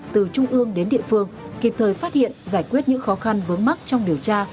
từ trung ương đến địa phương kịp thời phát hiện giải quyết những khó khăn vướng mắt trong điều tra